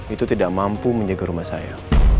itu tidak mampu menjaga rumah saya